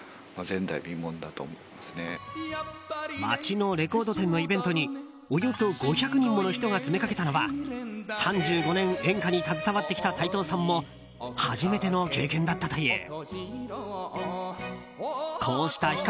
街のレコード店のイベントにおよそ５００人もの人が詰めかけたのは３５年、演歌に携わってきた斎藤さんも初めての経験だったという。